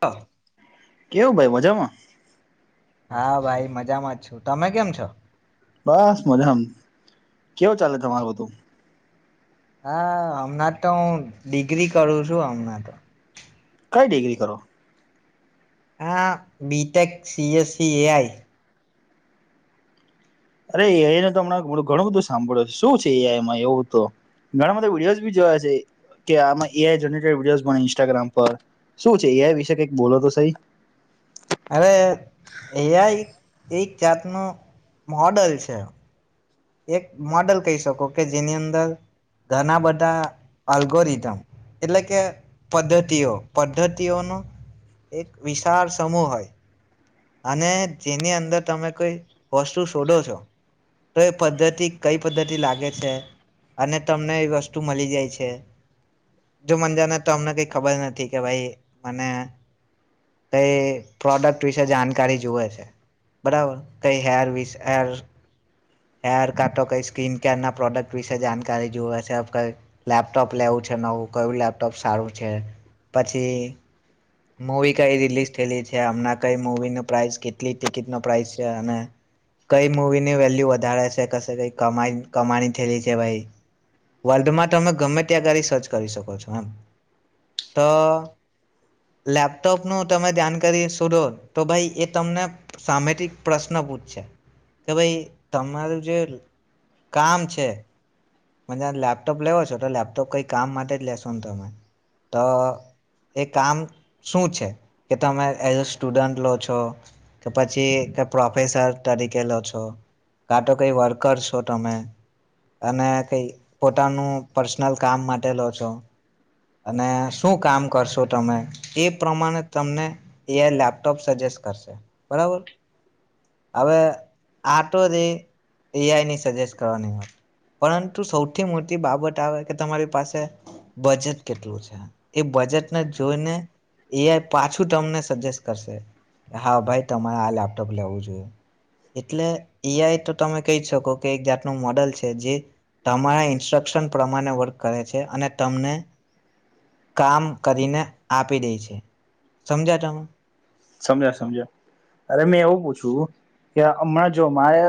હા. કેવું ભાઈ મજામાં? હા ભાઈ મજામાં જ છું. તમે કેમ છો? બસ મજામાં. કેવો ચાલે તમારું બધું? હા હમણાં તો હું ડિગ્રી કરું છું હમણા તો. કઈ ડિગ્રી કરો? હા બીટેક સીએસસી એઆઈ. અરે એઆઈ ન તો હમં ઘણું બધું સાંભળ્યું છે શું છે એઆઈમાં એવું તો. ઘણા બધા વિડીયોઝ બી જોયા છે કે આમાં એઆઈ જનરેટેડ વિડીયો ઇન્સ્ટાગ્રામ પર શું છે એઆઈ વિશે કઈક બોલો તો સહી. અરે એઆઈ એક જાતનું મોડલ છે. એક મોડલ કહી શકો કે જેની અંદર ઘણા બધા અલ્ગોરિધમ એટલે કે પદ્ધતિઓ પદ્ધતિઓનો એક વિશાળ સમૂહ હોય. અને જેની અંદર તમે કોઈ વસ્તુ શોધો છો તો એ પદ્ધતિ કઈ પદ્ધતિ લાગે છે અને તમને એ વસ્તુ મળી જાય છે જો મનેજાને તમને કઈ ખબર નથી કે ભાઈ મને કઈ પ્રોડક્ટ વિસ જાણકારી જુવે છે બરાબર કઈ હેર વિસ હેર હેર કાટો કઈ સ્કીન કેર ના પ્રોડક્ટ વિશે જાણકારી જુવે છે, કઈ લેપટોપ લેવું છે નવું, કયું લેપટોપ સારું છે પછી મૂવી કઈ રિલીઝ થયેલી છે હમણાં, કઈ મૂવીનો પ્રાઇસ કેટલી ટિકિટનો પ્રાઇસ છે અને કઈ મૂવીની વેલ્યુ વધારે છે કશે કઈ કમાણી થયેલી છે ભાઈ વર્લ્ડમાં તમે ગમે ત્યાં સર્ચ કરી શકો છો એમ તો લેપટોપનું તમે જાણકારી શોધો તો ભાઈ એ તમને સામેથીક પ્રશ્ન પૂછશે કે ભાઈ તમારું જે કામ છે. મને લેપટોપ લેવો છે તો લેપટોપ કઈ કામ માટે જ લેશો ને તમે તો એ કામ શું છે કે તમે એઝ અ સ્ટુડન્ટ લો છો કે પછી કઈ પ્રોફેસર તરીકે લો છો કા તો કઈ વર્કર છો તમે અને પોતાનું પર્સનલ કામ માટે લો છો અને શું કામ કરશો તમે એ પ્રમાણે તમને એઆઈ લેપટોપ સજેસ્ટ કરશે બરાબર. હવે આ તો જ એઆઈની સજેસ્ટ કરવાની વસ્તુ પણ સૌથી મોટી બાબત આવે કે તમારી પાસે બજેટ કેટલું છે. એ બજેટને જોઈને એઆઈ પાછું તમને સજેસ્ટ કરશે કે હા ભાઈ તમારે આ લેપટોપ લેવું જોઈએ એટલે એઆઈ તો તમે કહી શકો કે એક જાતનું મોડલ છે જે તમારા ઇન્સ્ટ્રક્શન પ્રમાણે વર્ક કરે છે અને તમને કામ કરીને આપી દે છે. સમજ્યા તમે? સમજ્યા સમજ્યા અરે મેં એવું પૂછ્યું કે હમણાં જો મારે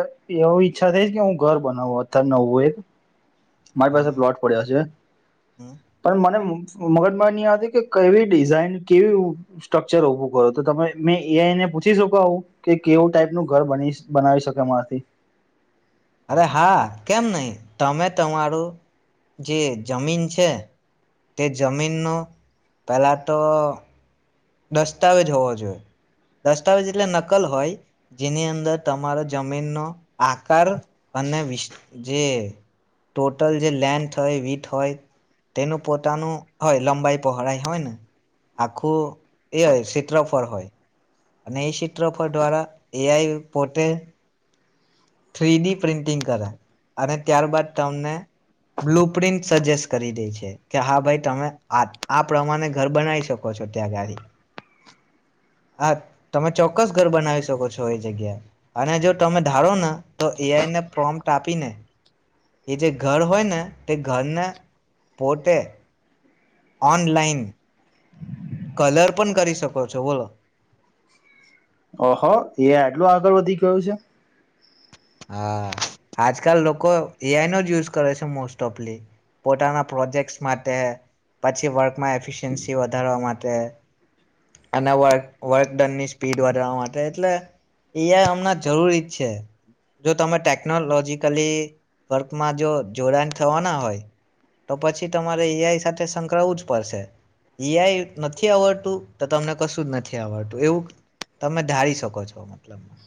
એવ ઈચ્છા થઈ છે કે હું ઘર બનાવ નવું એક મારી પાસે પ્લોટ પડ્યા છે પણ મને મગજમાં નય આવતું કે કય એવી ડિઝાઇન, કેવી સ્ટ્રક્ચર ઉભું કરો તો તમે મેં એ એને પૂછી શકો કે કેવું ટાઈપનું ઘર બની બનાવી શકે મારાથી? અરે હા કેમ નહી તમે તમારું જે જમીન છે તે જમીનનો પહેલા તો દસ્તાવેજ હોવો જોઈએ દસ્તાવેજ એટલે નકલ હોય જેની અંદર તમારો જમીનનો આકાર અને વિસ જે ટોટલ જે લેન્થ હોય, વીથ હોય તેનું પોતાનું હોય લંબાઈ પહોળાઈ હોય ને આખું એ હોય ક્ષેત્રફળ હોય. અને એ ક્ષેત્રફળ દ્વારા એઆઈ પોતે થ્રી ડી પ્રિન્ટિંગ કરે અને ત્યારબાદ તમને બ્લુ પ્રિન્ટ સજેસ્ટ કરી દે છે કે હા ભાઈ તમે આ આ પ્રમાણે ઘર બનાવી શકો છો એ જગ્યાએ. તમે ચોક્કસ ઘર બનાવી શકો છો એ જગ્યાએ અને જો તમે ધારો ને તો એઆઈને પ્રોમ્ટ આપી ને એ જે ઘર હોય ને તે ઘરને પોતે ઓનલાઇન કલર પણ કરી શકો છો બોલો. ઓહો એઆઇ આટલું આગળ વધી ગયું છે. હા આજકાલ લોકો એઆઈ નો જ યુઝ કરે છે મોસ્ટ ઓફલી. પોતાના પ્રોજેક્ટસ માટે, પછી જે વર્કમાં એફિશયન્સી વધારવા માટે અને વ વર્ક ડનની સ્પીડ વધારવા માટે એટલે એઆઈ હમણાં જરૂરી જ છે. જો તમે ટેકનોલોજીકલી વર્કમાં જો જોડાણ થવાના હોય તો પછી તમારે એઆઈ સાથે સંકળવું જ પડશે એઆઈ નથી આવડતું તો તમને કશું જ નથી આવડતું એવું તમે ધારી શકો છો મતલબમાં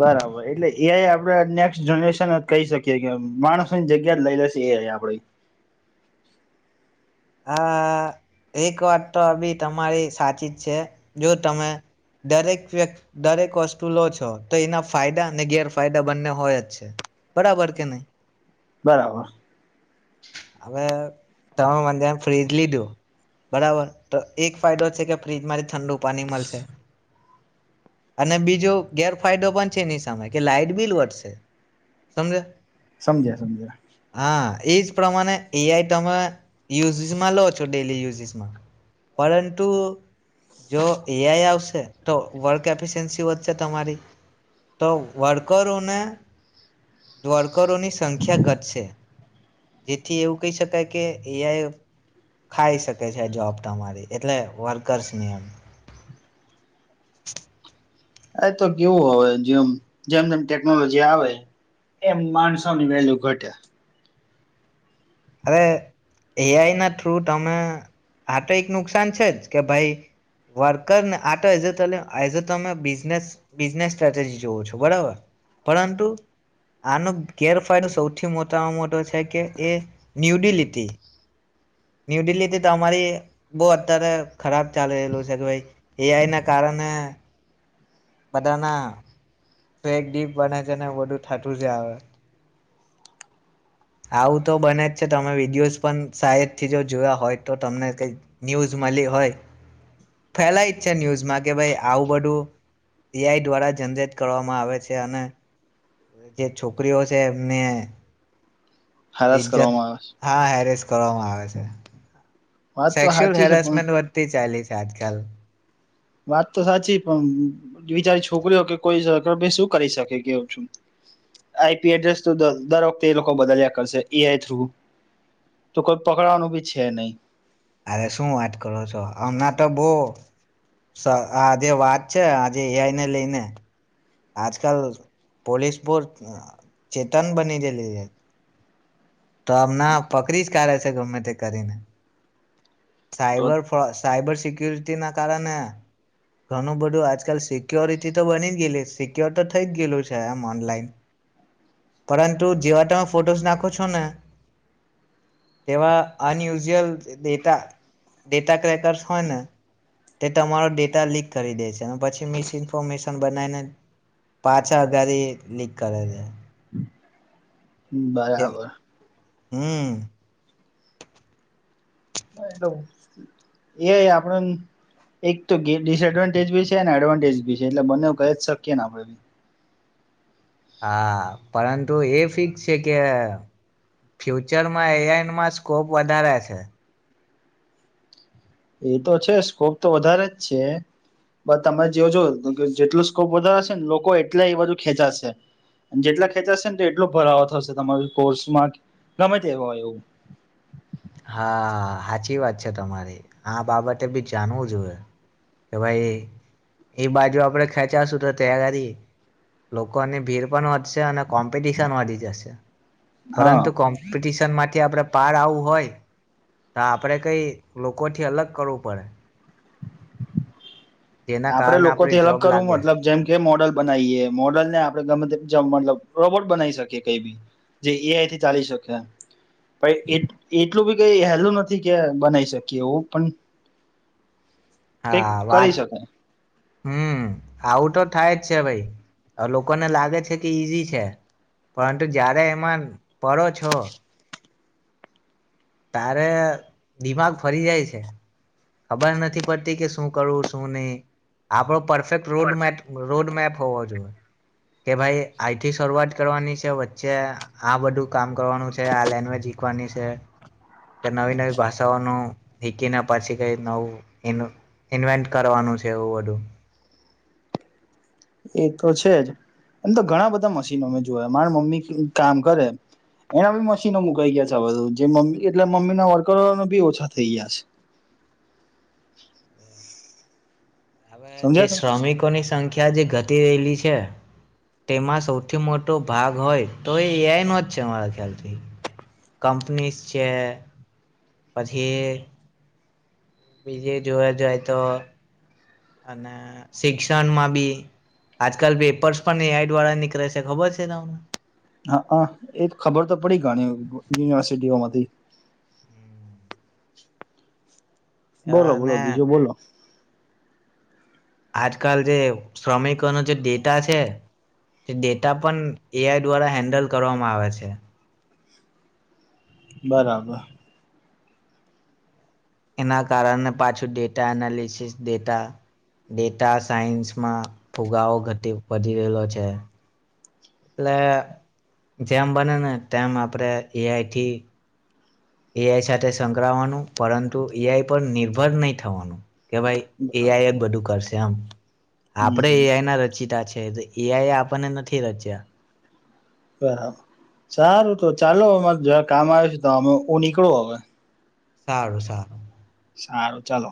બરાબર એટલે એ આપડે નેક્સ્ટ જનરેશન જ કહી શકીએ કે માણસોની જગ્યા જ લઈ લેશે એઆઇ આપણે હા એક વાત તો આ બી તમારી સાચી જ છે જો તમે દરેક વ્યકત દરેક વસ્તુ લો છો તો એના ફાયદા ને ગેરફાયદા બંને હોય જ છે બરાબર કે નહી બરાબર હવે તમે મને ફ્રીજ લીધો બરાબર તો એક ફાયદો છે કે ફ્રીજમાંથી ઠંડુ પાણી મળશે અને બીજો ગેરફાયદો પણ છે એની સામે કે લાાઈટ બિલ વધટશે સમજ સમજ્યા સમજ્યા એ જ પ્રમાણે એ આઈ તમે યુએસ માં લો છો ડેલી યુઝસમાં [inaudible] પરંતુ જો એઆઈ આવશે તો વર્ક એફિસયન્સી વધશે તમારી તો વર્કરોને વર્કરોની સંખ્યા ઘટશે જેથી એવું કહી શકાય કે એ ખાઈ શકે છે આ જોબ તમારી એટલે વર્કર્સની એમ આ તો કેવું હોવે જેમ જેમ જેમ ટેકનોલોજી આવે એમ માણસોની વેલ્યુ ઘટે અરે એઆઈ ના થ્રુ તમે આ તો એક નુકસાન છે જ કે ભાઈ વર્કરને આ તો એઝ એઝ તમે બિઝનેસ બિઝનેસ સ્ટ્રેટેજી જોવો છો બરાબર પરંતુ આનો ગેરફાયદો સૌથી મોટામાં મોટો છે કે એ ન્યૂ દિલ્હીથી ન્યૂ દિલ્હીથી તો અમારી બહુ અત્યારે ખરાબ ચાલીલું છે કે એઆઈ ના કારણે બધાના ફેક એક ડીપ બને છે ને ઓર્ડર થતું છે આવે આવું તો બને જ છે તમે વિડીયોઝ પણ સાહેદથી જો જોયા હોય તો તમને કઈક ન્યૂઝ મળી હોય ફેલાય જ છે ન્યૂઝમાં કે ભાઈ આવું બધું એઆઈ દ્વારા જનરેટ કરવામાં આવે છે અને જે છોકરીઓ છે એમને હરાસ ઇજ્જત કરવામાં આવે હા હેરિસ કરવામાં આવે છે વાત તો સેક્સ્યુઅલ સાચી છે પણ હેરાસમેન્ટ વધતી ચાલી આજકાલ વાત તો સાચી પણ બિચારી છોકરીઓ કે કોઈ શું કરી શકે કેવું, આઈપી એડ્રેસ તો દર વખતે એ લોકો બદલ્યા કરશે એઈઆઈ થ્રુ, તો કોઈ પકડવાનું બી છે નહી અરે શું વાત કરો છો, હમણા તો બહ આ જે વાત છે આજે એઆઈ ને લઈને આજ કાલ પોલીસ બોર્ડ ચેતન બનીગેલી છે તો હમણાં પકડી જ કાઢે છે ગમે તે કરીને તો સાઇબર ફ્રો, સાયબર સિક્યુ સિક્યોરિટી ના કારણે ઘણું બધું, આજકાલ સિક્યોરિટી તો બની જ ગયેલી સિક્યોર તો થઈ જ ગયેલું છે, આમ ઓનલાઈન પરંતુ જેવા તમે ફોટોસ નાખો છો ને તેવા અનયુઝઅલ ડેટા ડેટા ક્રેકર્સ હોય ને તે તમારો ડેટા લીક કરી દે છે, અને પછી મિસ ઇન્ફોર્મેશન બનાવીને પાછા અગારી લીક કરે છે તેમ- બરાબર હમ તો એ આપડન એક તો ડિસએડવાન્ટેજ બી છે ને એડવાન્ટેજ ભી છે એટલે બંને ક શકીએ ને આપડે બી હા, પરંતુ એ ફિક્સ છે કે ફ્યુચરમાં એયાનમાં સ્કોપ વધારે છે એ તો છે સ્કોપ તો વધારે જ છે તમે જોઓજો જેટલો સ્કોપ વધારેશે ને લોકો એટલા એ બાજુ ખેંચાશે જેટલા ખેંચાશે ને તો એટલો ભરાવો થશે તમાર કોર્સમાં ગમે તે હોય એ હા, હાચી વાત છે તમારી આ બાબતે બી જાણવું જોઈએ કે, ભાઈ એ બાજુ આપડે ખેંચાશું તો તૈયારી લોકોની ભીડ પણ વધશે અને કોમ્પિટિશન વધી જશે હા પરંતુ કોમપિ ન થી આપણે પાર આવવું હોય તો આપડે કઈ લોકો થી અલગ કરવું પડે જેના આપડે કારણે લોકોથી આપણી અલગ જોબ કરવું લાગે મતલબ જેમ કે મોડલ બનાવીએ મોડલ ને આપણે ગમે મતલબ રોબોટ બનાવી શકીએ કઈ બી જે એઆઈથી ચાલી શકે પણ એટલું બી કઈ હેલું નથી કે બનાવી શકીએ એવું પણ કઈક હા કરી વાત શકુ હમ આવું તો તો થાય જ છે ભાઈ લોકોને લાગે છે કે ઈઝી છે પરંતુ જારે એમાં પડો છો તારે દિમાગ ફરી જાય છે ખબર નથી પડતી કે શું કરવું શું નહી આપડો પરફે રોડ મેપ રોડ મેપ હોવા જોઈએ કે ભાઈ આઈથી શરૂઆત કરવાની છે વચ્ચે આ બધું કામ કરવાનું છે આ લેંગ્વેજ શીખવાની છે કે નવી નવી ભાષાઓનું એકના પછી કંઇક નવું ઇન્વેન્ટ કરવાનું છે એવું બધું એ તો છે જ એમ તો ઘણા બધા મશીનો મે જોયા મારા મમ્મી કામ કરે એના બી મશીનો મુકાઈ ગયા છે બધું જે મમ્મી એટલે મમ્મી ના વર્કરો બી ઓછા થઈ ગયા છે હવે જે સમજ્યા તમે શ્રમિકોની સંખ્યા જે ઘટ ઘટી રહેલી છે તેમાં સૌથી મોટો ભાગ હોય તો એ એઆઈ નો જ છે મારા ખ્યાલથી કંપનીસ છે પછી બીજે જોવા જઈએ તો અને શિક્ષણમાં બી આજકાલ પેપર્સ પણ એડ વાળા નીકળે છે ખબર છે તમને હા હા એ ખબર તો પડી ગણી યુનિવર્સિટીઓમાંથી બોલો બોલો અને બીજું બોલો આજકાલ જે શ્રમિકોનો જે ડેટા છે તે ડેટા પણ એઆઈ દ્વારા હેન્ડલ કરવામાં આવે છે બરાબર એના કારણે પાછું ડેટા એનાલિસિસ ડેટા ડેટા સાયન્સમાં ફુગાવો ઘટી વધી રહેલો છે એટલે જેમ બને ને તેમ આપણેે એઆઈથી એઆઈ સાથે સંકળવાનું પરંતુ એઆઈ પર નિર્ભર નહીં થવાનું કે ભાઈ હમ એઆઈ એ જ બધું કરશે એમ આપડે હમ એઆઇના રચિતા છે એઆઈ આપણને નથી રચ્યા બરાબર સારું તો ચાલો અવે મારે જરાક કામ આવ્યું છે તો અમે તો હું નીકળું હવે સારું સારું સારું ચાલો